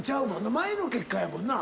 前の結果やもんな。